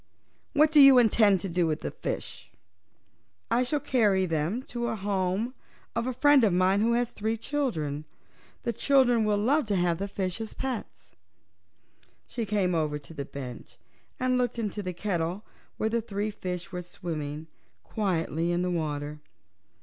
"What do you intend to do with the fishes?" "I shall carry them to the home of a friend of mine who has three children. The children will love to have the fishes for pets." She came over to the bench and looked into the kettle, where the three fishes were swimming quietly in the water.